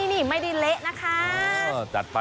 นี่ไม่ได้เละนะคะ